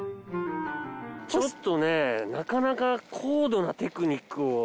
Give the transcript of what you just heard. ちょっとねなかなか高度なテクニックを。